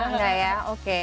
enggak ya oke